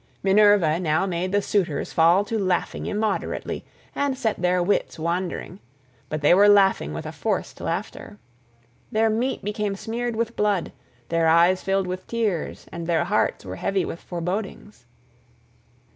Minerva now made the suitors fall to laughing immoderately, and set their wits wandering; but they were laughing with a forced laughter. Their meat became smeared with blood; their eyes filled with tears, and their hearts were heavy with forebodings.